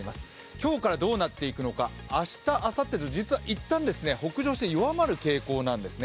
今日からどうなっていくのか、明日、あさってといったん北上して弱まる傾向なんですね。